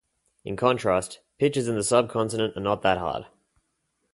In contrast, pitches in the sub-continent are not that hard.